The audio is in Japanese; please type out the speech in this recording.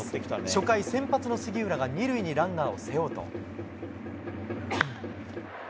初回、先発の杉浦が２塁にランナーを背負うと。